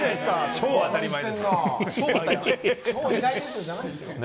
超当たり前ですよ。